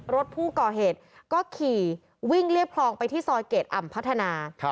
รถผู้ก่อเหตุก็ขี่วิ่งเรียบคลองไปที่ซอยเกดอ่ำพัฒนา